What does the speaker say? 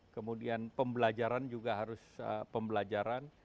kemudian pembelajaran juga harus pembelajaran